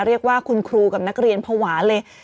เรียกว่าคุณครูกับนักเรียนภาวะเลย